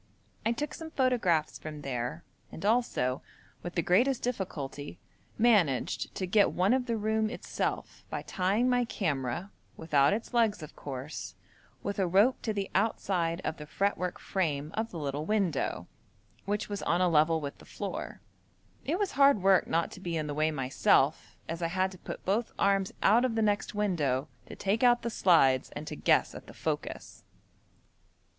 I took some photographs from there, and also, with the greatest difficulty, managed to get one of the room itself by tying my camera, without its legs, of course, with a rope to the outside of the fretwork frame of the little window, which was on a level with the floor. It was hard work not to be in the way myself, as I had to put both arms out of the next window to take out the slides, and to guess at the focus.